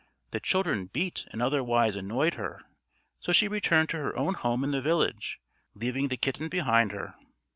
The children beat and otherwise annoyed her; so she returned to her own home in the village, leaving the kitten behind her.